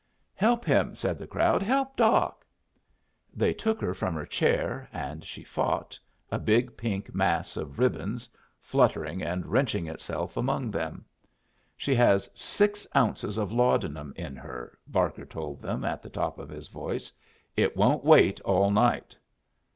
"Help him!" said the crowd. "Help Doc." They took her from her chair, and she fought, a big pink mass of ribbons, fluttering and wrenching itself among them. "She has six ounces of laudanum in her," Barker told them at the top of his voice. "It won't wait all night."